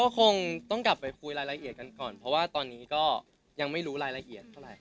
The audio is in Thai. คงต้องกลับไปคุยรายละเอียดกันก่อนเพราะว่าตอนนี้ก็ยังไม่รู้รายละเอียดเท่าไหร